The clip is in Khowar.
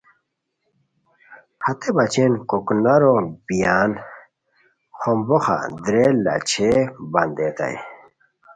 ہتے بچین کوکنارو بییان خومبوخہ درے لا چھئے بندیتائے